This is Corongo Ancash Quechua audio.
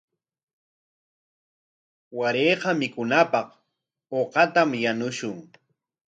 Warayqa mikunapaq uqatam yanushun.